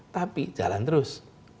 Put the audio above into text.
tapi jalan terus